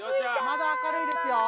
まだ明るいですよ。